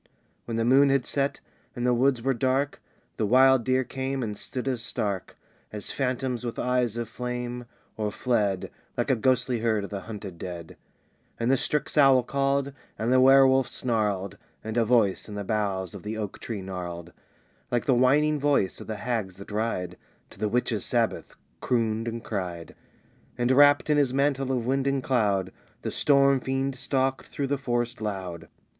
When the moon had set, and the woods were dark, The wild deer came, and stood as stark As phantoms with eyes of flame; or fled Like a ghostly herd of the hunted dead. And the strix owl called; and the werewolf snarled; And a voice, in the boughs of the oak tree gnarled, Like the whining voice of the hags that ride To the witches' Sabboth, crooned and cried. [Illustration: Stared and whispered and smiled and wept Page 49 Romaunt of the Oak ] And wrapped in his mantle of wind and cloud, The storm fiend stalked through the forest loud.